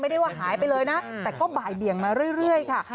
ได้ว่าหายไปเลยนะแต่ก็บ่ายเบี่ยงมาเรื่อยค่ะ